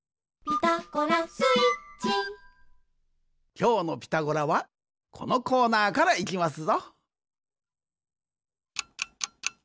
きょうの「ピタゴラ」はこのコーナーからいきますぞ。